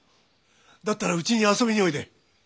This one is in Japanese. だったらうちに遊びにおいで。